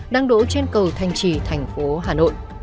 đang đỗ trên cầu thanh trì thành phố hà nội